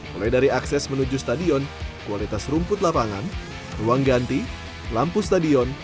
mulai dari akses menuju stadion kualitas rumput lapangan ruang ganti lampu stadion